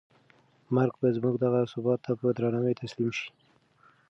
مرګ به زموږ دغه ثبات ته په درناوي تسلیم شي.